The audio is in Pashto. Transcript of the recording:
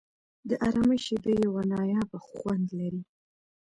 د آرامۍ شېبې یو نایابه خوند لري.